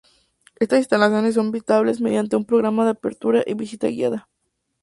Estas instalaciones son visitables mediante un programa de apertura y visita guiada.